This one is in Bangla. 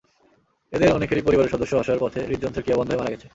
এদের অনেকেরই পরিবারের সদস্য আসার পথে হৃদ্যন্ত্রের ক্রিয়া বন্ধ হয়ে মারা গেছে।